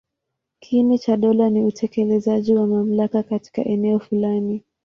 Kiini cha dola ni utekelezaji wa mamlaka katika eneo fulani.